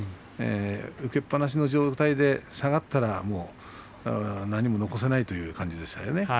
受けっぱなしの状態で下がったら何も残せないという感じですよね。